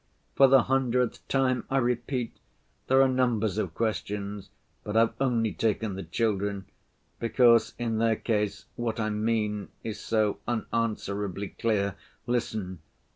For the hundredth time I repeat, there are numbers of questions, but I've only taken the children, because in their case what I mean is so unanswerably clear. Listen!